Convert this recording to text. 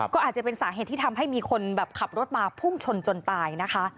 ก็อาจจะเป็นสาเหตุที่ทำให้มีคนแบบขับรถมาพุ่งชนจนตายนะคะ